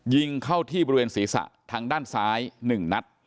ยิงเข้าที่บริเวณศีรษะทางด้านซ้าย๑นัด